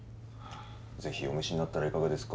是非お召しになったらいかがですか。